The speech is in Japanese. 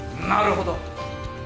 なるほど。